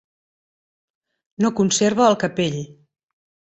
No conserva el capell.